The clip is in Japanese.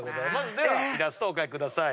ではイラストお描きください。